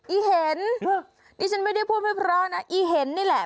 อีเห็นดิฉันไม่ได้พูดไม่เพราะนะอีเห็นนี่แหละ